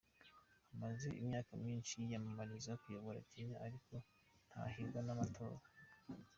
Amaze imyaka myinshi yiyamamariza kuyobora Kenya ariko ntahirwa n’amatora.